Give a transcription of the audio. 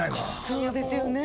そうですよね。